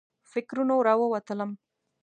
فکرونو راووتلم.